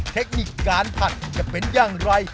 เทคนิคการผัดจะเป็นอย่างไร